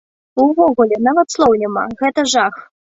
Увогуле, нават словаў няма, гэта жах!